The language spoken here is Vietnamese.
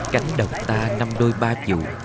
cách đồng ta năm đôi ba dụ